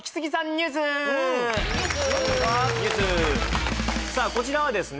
ニュースニュースさあこちらはですね